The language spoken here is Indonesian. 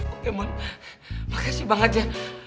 oke mon makasih banget ya